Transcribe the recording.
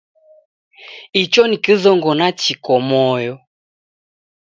Icho ni kizong'ona chiko moyo